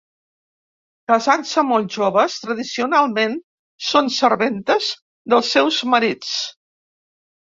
Casant-se molt joves, tradicionalment són serventes dels seus marits.